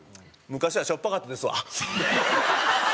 昔はしょっぱかったですわ。